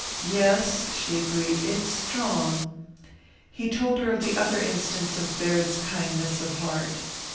"Yes," she agreed. "It's strong." He told her of the other instance of Baird's kindness of heart.